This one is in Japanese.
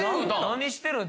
何してるん？